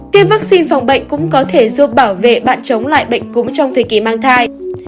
tiêm vaccine phòng bệnh cũng có thể giúp bảo vệ bạn chống lại bệnh cúm trong thời kỳ mang thai